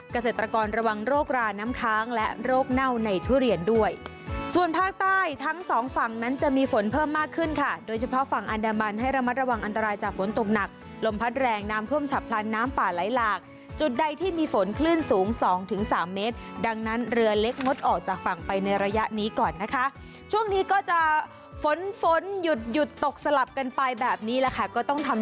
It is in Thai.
เกษตรกรระวังโรคราน้ำค้างและโรคเน่าในทุเรียนด้วยส่วนภาคใต้ทั้งสองฝั่งนั้นจะมีฝนเพิ่มมากขึ้นค่ะโดยเฉพาะฝั่งอันดับบันให้ระมัดระวังอันตรายจากฝนตกหนักลมพัดแรงน้ำเพิ่มฉับพลาน้ำป่าไหลหลากจุดใดที่มีฝนคลื่นสูง๒๓เมตรดังนั้นเรือเล็กงดออกจากฝั่งไปในระยะนี้ก่